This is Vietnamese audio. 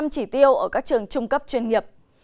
năm tám trăm linh chỉ tiêu ở các trường trung cấp chuyên nghiệp